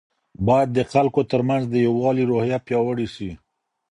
باید د خلګو ترمنځ د یووالي روحیه پیاوړې سي.